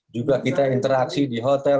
juga kita interaksi di hotel